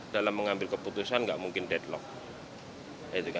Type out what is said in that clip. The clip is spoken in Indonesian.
dalam mengambil keputusan nggak mungkin deadlock